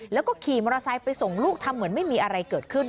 แล้วก็ขี่มอเตอร์ไซค์ไปส่งลูกทำเหมือนไม่มีอะไรเกิดขึ้น